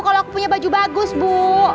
kalau aku punya baju bagus bu